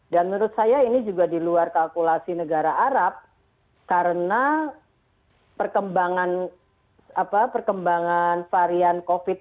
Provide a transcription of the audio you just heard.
dan menurut saya ini juga di luar kalkulasi negara arab karena perkembangan varian covid sembilan belas